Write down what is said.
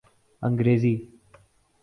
انگریزی